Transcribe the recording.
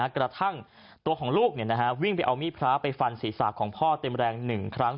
กระทั่งตัวของลูกวิ่งไปเอามีดพระไปฟันศีรษะของพ่อเต็มแรง๑ครั้ง